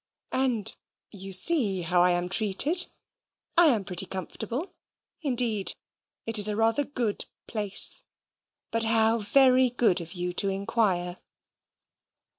And you see how I am treated. I am pretty comfortable. Indeed it is rather a good place. But how very good of you to inquire!"